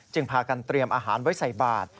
พากันเตรียมอาหารไว้ใส่บาท